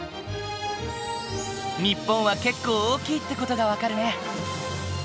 日本は結構大きいって事が分かるね。